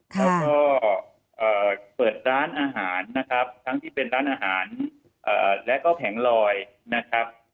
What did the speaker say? แล้วก็เปิดร้านอาหารนะครับทั้งที่เป็นร้านอาหารและก็แผงลอยนะครับ